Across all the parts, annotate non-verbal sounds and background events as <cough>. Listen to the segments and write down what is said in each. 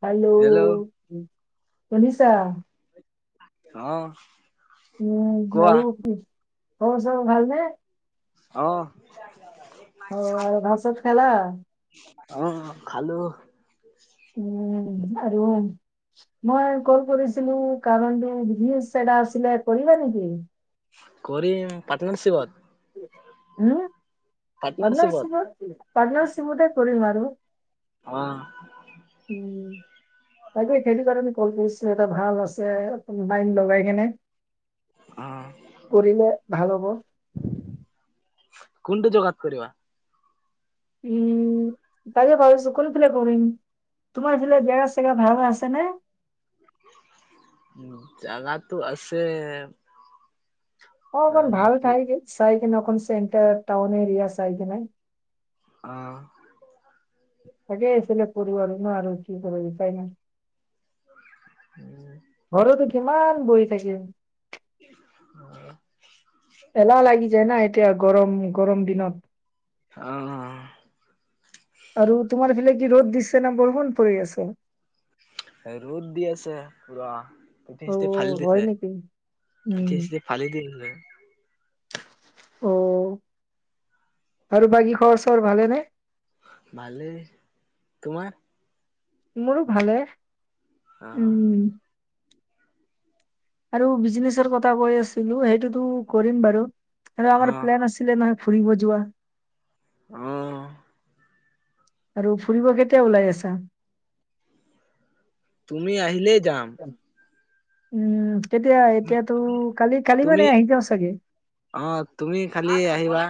Hello শুনিছা অ উম কোৱা আৰু কি খবৰ সবৰ ভাল নে? অ অ আৰু ভাত চাত খালা? অ খালো। উম আৰু মই কল কৰিছিলো কাৰণটো বিজনেছ এটা আছিলে, কৰিবা নেকি? কৰিম, পাৰ্টনাৰশ্বিপত? উম, পাৰ্টনাৰশ্বিপত, পাৰ্টনাৰশ্বিপতে কৰিম আৰু। অ উম বাকী খেতি কাৰণে কল কৰিছোঁ এটা ভাল আছে অনলাইন লগাই কিনে। অ কৰিলে ভাল হ'ব। কোনটো যোগাত কৰিবা? উম তাকে ভাবিছো কোনফালে কৰিম, তোমাৰ ফালে জেগা চেগা ভাল আছে নে? <inaudible> জাগাটো আছে? অ অকন আহ ভাল মতলব ঠাই চাই কিনে অকন চেণ্টাৰ টাউন এৰিয়া চাই কিনে। আহ। তাকেই আছিলে কৰিব আৰু কি কৰিম উপায় নাই। উম। ঘৰতো কিমান বহি থাকিম। আ। এলাহ লাগি যায় না এতিয়া গৰম গৰম দিনত। আৰু তোমাৰ <unintelligible> ফালে কি ৰ'দ দিছে না বৰষুণ পৰি আছে? ৰ'দ দি আছে পুৰা। পিঠি অ চিঠি ফালি হয় দিছে, নেকি পিঠি উম চিঠি ফালি দিছে। অ আৰু বাকী খবৰ সবৰ ভালে নে? ভালেই, তোমাৰ? মোৰো ভালে। আহ। উম আৰু বিজনেচৰ কথা কৈ আছিলো, সেইটোতো কৰিম বাৰু আৰু অ আমাৰ প্লেন আছিলে না। ফুবিব জোৱা। অহ। আৰু ফুৰিব কেতিয়া ওলাই আছা? তুমি আহিলেই যাম। উম, কেতিয়া, তুমি এতিয়াতো কালি-কালি মানে তুমি আহি যাওঁ চাগে! অ', তুমি খালি আহিবা।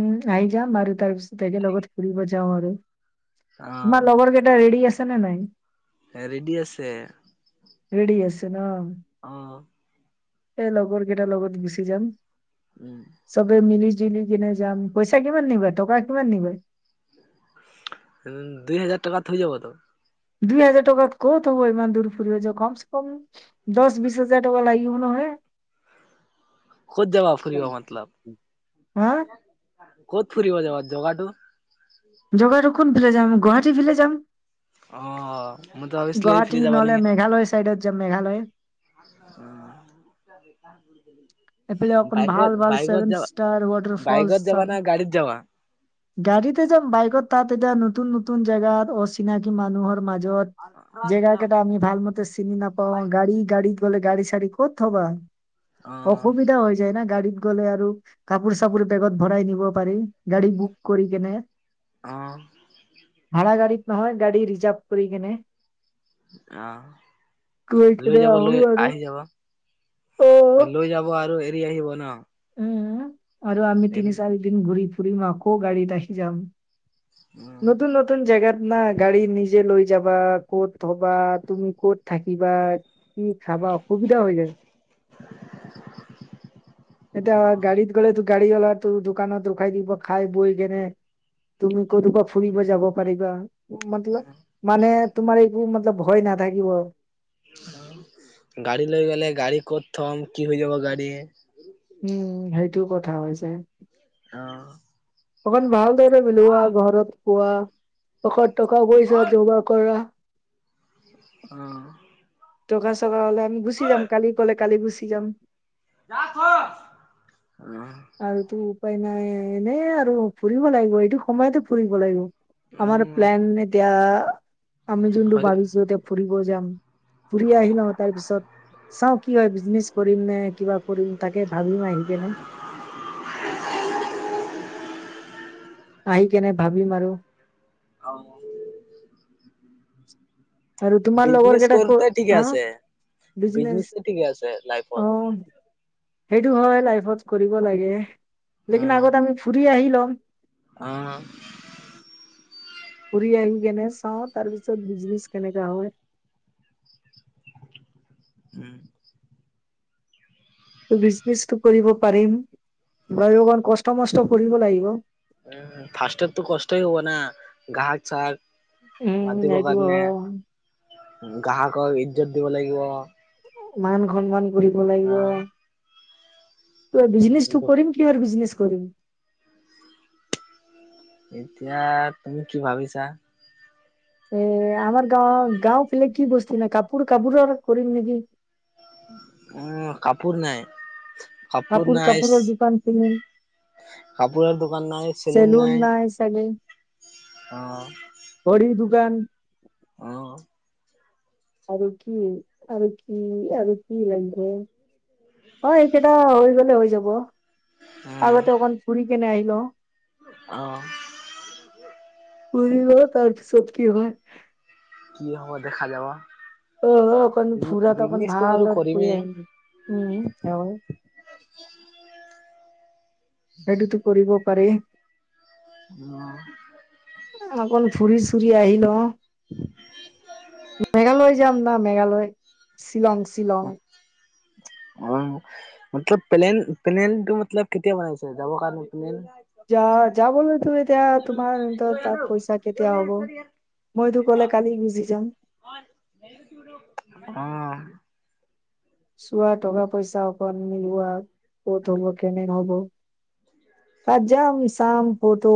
উম, আহি যাম, আৰু তাৰপিছত একেলগত ফুৰিব আৰু, তোমাৰ লগৰকেইটা ৰেডী আছে নে নাই? ৰেডী আছে। ৰেডী আছে ন! অ। এই লগৰ কেইটাৰ লগত গুচি যাম, উম চবে মিলি-জুলি কিনে যাম, পইচা কিমান নিবা, টকা কিমান নিবা? উম, দুই হাজাৰ টকাত হৈ যাব তো। দুই হাজাৰ টকাত ক'ত হ'ব, ইমান দূৰ ফুৰিব যোৱা, কমছে-কম দহ-বিশছ হাজাৰ টকা লাগিব নহয়। <inaudible> ক'ত যাবা ফুৰিব মতলব? হা? ক'ত ফুৰিব যাবা, যগাটো? জোগাটো কোনফালে যাম, গুৱাহাটী ফালে যাম। অ মই তো ভাবিছিলো গুৱাহাটী এইফালে নহ'লে, মেঘালয় চাইডত যাম, মেঘালয়। উম <unintelligible> এইফালে অকণ ভাল বাইকত ভাল বাইকত ছেভেন যাবা ষ্টাৰ ৱাটাৰ ফলচ বাইকত যাবা চাম। না গাড়ীত যাব আ <unintelligible> গাড়ীতে যাম বাইকত তাত এতিয়া নতুন নতুন জেগাত অচিনাকি মানুহৰ মাজে য'ত জেগা কেইটা আমি ভাল মতে চিনি নাপাওঁ গাড়ী গাড়ী গ'লে গাড়ী চাৰি ক'ত থবা, অ অসুবিধা হৈ যায় ন! গাড়ি গ'লে আৰু কাপোৰ-চাপোৰ বেগত ভৰাই নিব পাৰি, গাড়ী বুক কৰি কেনে। আহ। ভাড়া গাড়ীত নহয়, গাড়ী ৰিজাৰ্ভ কৰি কেনে। আহ, গৈ লৈ কেনে যাব, আহো লৈ আৰু আহি যাব। অ লৈ যাব আৰু এৰি আহিব ন'। উম আৰু আমি এৰি তিনি দিব চাৰি দিন ঘূৰি ফুৰিম আকৌ গাড়ীত আহি যাম উম নতুন নতুন জেগাৰ নাই গাড়ী নিজে লৈ যাবা ক'ত থ'বা, তুমি ক'ত থাকিবা, কি খাবা? অসুবিধা হৈ যায়। অ এতিয়া গাড়ীত গ'লেতো গাড়ীঅলা তোৰ দোকানত ৰখাই দিব খাই বৈ কেনে তুমি কতোপা ফুৰিব যাব পাৰিবা মতল মানে তোমাৰ একো মতলব ভয় নাথাকিব গাড়ী লৈ গ'লে গাড়ী ক'ত থম, কি হৈ যাব গাড়ী? সেটো কথা হৈ যাই। আহ তখন ভালদৰে মিলোৱা ঘৰত কোৱা টকা পইচা যোগাৰ কৰা আহ টকা চকা হ'লে আমি গুচি যাম কালি ক'লে কালি গুচি যাম অ আৰু তো উপায় নাই এনেই আৰু ফুৰিব লাগিব এইটো সময়তে ফুৰিব লাগিব আমাৰ উম প্লেন এতিয়া, আমি যোনটো হয় ভাবিছো এতিয়া ফুৰিব যাম ফুৰি আহি লওঁ তাৰ পিছত চাওঁ কি হয় বিজনেচ কৰিম নে কিবা কৰিম তাকে ভাবিম আহি কেনে <inaudible> আহি কেনে ভাবিম আৰু অ'। আৰু তোমাৰ লগৰ বিজনেছ কেইটা ক কৰোতে ঠিকে হা আছে বিজনেচ ঠিকে আছে অ লাইফত সেইটো হয় লাইফত কৰিব লাগে, লেকিন আগত আমি ফুৰি আহি ল'ম। আহ। পৰিয়াল কেনে চাওঁ তাৰ পিছত বিজনেচ কেনেকা হয়। উম। বিজনেচটো কৰিব পাৰিম, বাৰু অকমান কষ্ট মষ্ট কৰিব লাগিব। উম ফাৰ্ষ্টাৰতো কষ্টই হ'ব না, ঘক চাক উম মাতিব এইটো কাৰণে হয় গ্ৰাহকক ইজ্জত দিব লাগিব। মান সন্মান কৰিব লাগিব। অহ ত' বিজনেচটো কৰিম কিহৰ বিজনেছ কৰিম? এতিয়া তুমি কি ভাবিছা? এ আমাৰ গাঁৱৰ গাওঁ ফালে কি বস্ত নাই কাপোৰ কাপোৰৰ কৰিম নেকি? উ কাপোৰ নাই, কাপোৰ নাই কাপোৰৰ দোকান খুলিম কাপোৰৰ দোকান নাই, চেলুন নাই অ'। গান। আহ। আৰু কি, আৰু কি, আৰু কি লাগব? হয়। এইকেইটা হৈ গলে হৈ যাব। আগতে অকন ফুৰী কেনে আহিলো। আহ। প তাৰপাছত কি হয়? কি হ'ব দেখা যাব? আহ অকণ ফুৰাটো অক বিজনেচটো বাৰু ভালৰ ফুৰি কৰিমেই আহিম, উম <unintelligible> সেইটোতো কৰিব পাৰি। অকন ফুৰি-চুৰি আহিলো। অ মেঘালয় যাম না, মেঘালয় শ্বিলং- অহ শ্বিলং অ মতলপ পলেন পেনেলটো মতলপ কেতিয়া বনাইছে? যাবৰ কাৰণে পেনেল যা যাবলৈতো এতিয়া তোমাৰ তাত অ পইচা কেতিয়া হ'ব। মইতো গ'লে কালি গুজি যাম। আহ। চোৱা টকা-পইচা অক মিলোৱা ক'ত হব, কেনে হব তাত যাম, চাম ফট উ।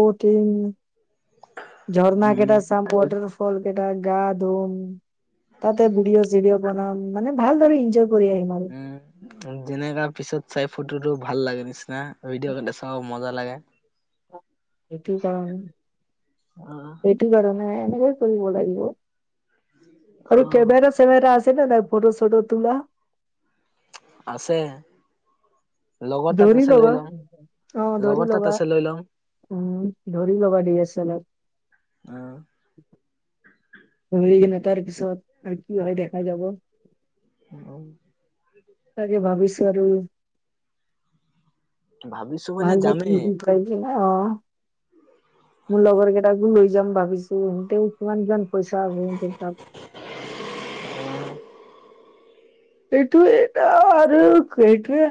ঝৰ্ণা উম কেইটা চাম, ৱাটাৰ ফল কেইটা, গা ধুম তাতে ভিডিঅ- চিডিঅ বনাম, মানে ভালদৰে এনজয় উম যেনেকা পিছত চাই ফটোটো ভাল লাগে নিচিনা। ভিডিঅ' কটা চাও মজা লাগে। সেইটো কাৰণে, অ সেইটো কাৰণে এনেকৈ কৰিব লাগিব। অ আৰু কেমেৰা - চেমেৰা আছে ন নাই? ফটটো চটটো তুলা। আছে। লগৰ তাত দৌৰি আছে দাব লৈ ল'ম <unintelligible> অ লগৰ ধৰি তাত লবা, আছে লৈ ল'ম উম ধৰি লগা ডি এছ এল আহ। ধৰি কিনে তাৰ পিছত আৰু কি হয় দেখা যাব অ তাকে ভাবিছ আৰু ভাবিছো মানে ভাল প যামেই <unintelligible> অ মোৰ লগৰ কেইটাকো লৈছে যাম ভাবিছো। তেঠ <unintelligible> ন যান পইচা আৰু তোব উ <unintelligible> সেইটোৱে এটা আৰু সেইটোৱে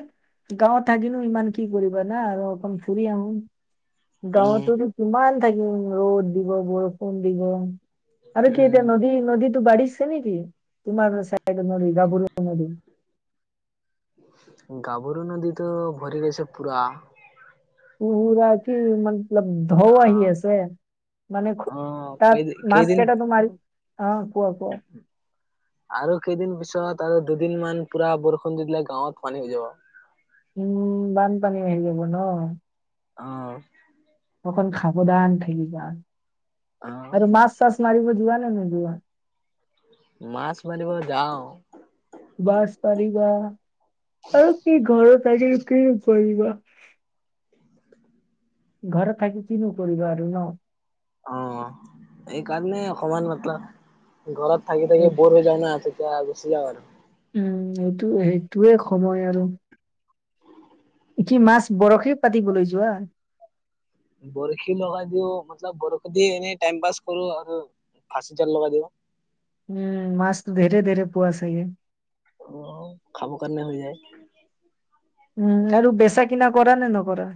গাঁৱত থাকিলো ইমান কি কৰিবা না আৰু অকণ ফুৰি আহু। উম গাঁৱততো কিমান থাকিম ৰ'দ দিব, বৰষুণ দিব। আৰু কি উম এতিয়া নদী, নদীটো বাঢ়িছে নেকি? জন দ <unintelligible> গাভৰু নদীটো ভৰি গৈছে পুৰা। উৰাতি ম <unintelligible> অ ধোৱা আহ আছে। মানে খ অ কেই তাত মাছ কেইদিন কেইটাটো মাৰ অ কোৱা কোৱ আৰু কেইদিন পিছত আৰু দুদিন মান পুৰা বৰষুণ দি দিলে গাঁৱত পানী হৈ যাব। উম। বানপানী হৈ যাব ন? অ অকণ সাৱধান থাকিবা অ', আৰু মাছ- চাছ মাৰিব যোৱা নাই ন যোৱা মাছ মাৰিব যাওঁ। বাছ পাৰিবা, আৰু কি ঘৰ তাকি কি প ঘৰত থাকি কিনো কৰিবা আৰু ন! অ, এই কাৰণে অকনমান মতলব, ঘৰত থাকি-থাকি এই- বৰ হৈ যাও না, ত' <unintelligible> উম এইটো সেইটোৱে সময় আৰু কি মাছ, বৰশে পাতিবলৈ যোৱা? বৰশী লগাই দিওঁ মতলপ বৰশী দি এনে টাইম পাছ কৰো আৰু ফাঁচি জাল লগাই দিব উম। মাছ ধৰে-ধৰে পোৱা চ অ খাব কাৰণে হৈ যায় উম আৰু বেচা কিনা কৰা নে নকৰা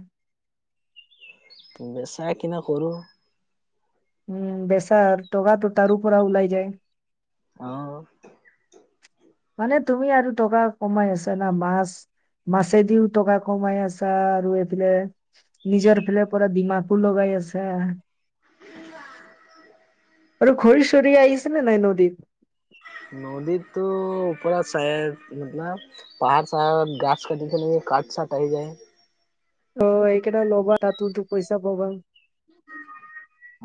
বেচা কিনা কৰো উম বেচাৰ টকাটো তাৰো পৰা ওলাই যায় অহ মানে তুমি আৰু টকা কমাই আছে না মাছ মাছেদিও টকা কমাই আছা আৰু এইফালে নিজৰ ফালে পৰা দিমাকো লগাই আছা আৰু খৰি চৰি আহিছে নে নাই নদীত নদীতো <unintelligible> পাহাৰ চাহৰত গাছ কাটি খলে কঠ চাঠ আহি যায় অ এইকেইটা ল'বা তাতো তো পইচা পাবা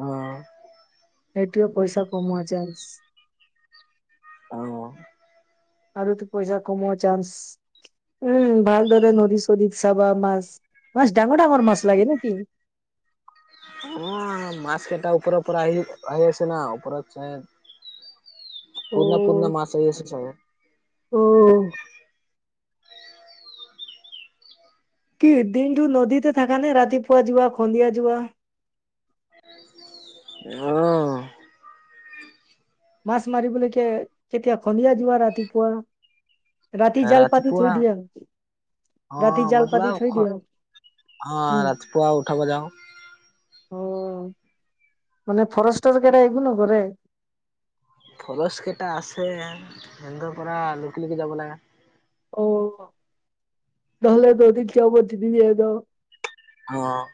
অহ সেইটোৱে পইচা কমোৱা চান্স অ আৰু ত পইচা কমোৱা চান্স উম ভাল ধৰে নদী চদীত চাবা মাছ মাছ ডাঙৰ ডাঙৰ মাছ লাগে নেকি <inaudible> উম মাছ কেইটা ওপৰৰ পৰা আহি আহি আছে না ওপৰত <unintelligible> পূৰ্ণা অ', পূৰ্ণা মাছ আহি আছে চাগ অ', কি দিনটো নদীতে থাকা নে ৰাতিপুৱা যোৱা খন্দিয়া যোৱা অহ মাছ মাৰিবলৈকে কেতিয়া সন্ধিয়া যোৱা ৰাতিপুৱা ৰাতি জাল পাতো ৰাতিপুৱা থৈ দিয়া অ' মতলব উম অ' ৰাতিপুৱা উঠাব যাও। অ' মানে ফৰেষ্টৰ কেৰা এইগ নো কৰে ফৰচ কেইটা আছে এ পৰা লুক লকে যাব লাগা <unintelligible> অ' নলে দ দি যাব তিবি দি এদ অ'।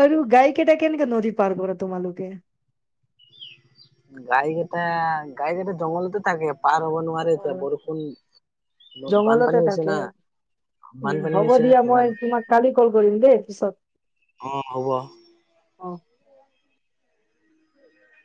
আৰু গাইকেইটা কেনেকে নদী পাৰ কৰে তোমালোকে? গাইকেইটা গাইকেইটা জংঘলতে থাকে পাৰ হ'ব নোৱাৰে এতিয়া হয়, বৰষুণ জংঘলতে বানপানী হৈছে থাকে না। উম বানপানী হ'ব হৈছে দিয়া মই সেইকাৰণে তোমাক কালি কল কৰিম দেই পিছত। অ' হ'ব। অ'।